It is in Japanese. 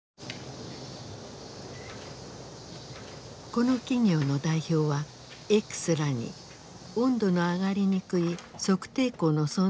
この企業の代表はＸらに温度の上がりにくい測定口の存在を指摘したという。